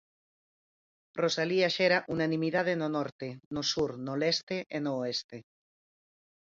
Rosalía xera unanimidade no norte, no sur, no leste e no oeste.